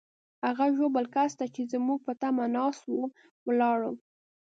هغه ژوبل کس ته چې زموږ په تمه ناست وو، ولاړو.